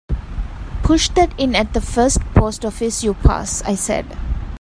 "Push that in at the first post office you pass," I said.